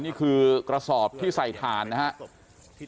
นี่คือกระสอบที่ใส่ถ่านนะครับ